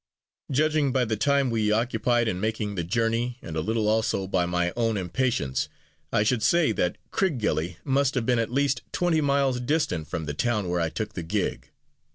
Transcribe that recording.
Judging by the time we occupied in making the journey, and a little also by my own impatience, I should say that Crickgelly must have been at least twenty miles distant from the town where I took the gig.